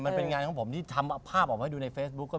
มันเป็นงานของผมที่ทำภาพออกมาให้ดูในเฟซบุ๊ค